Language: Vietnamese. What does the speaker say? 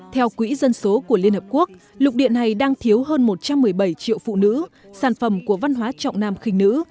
theo quỹ dân số của liên hợp quốc lục điện này đang thiếu hơn một trăm một mươi bảy triệu phụ nữ sản phẩm của văn hóa trọng nam khinh nữ